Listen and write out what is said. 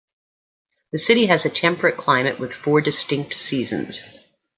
The city has a temperate climate with four distinct seasons.